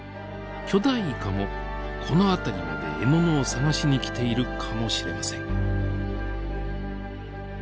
巨大イカもこの辺りまで獲物を探しに来ているかもしれません。